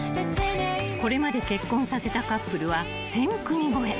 ［これまで結婚させたカップルは１，０００組超え］